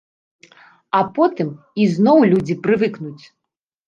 А потым ізноў людзі прывыкнуць.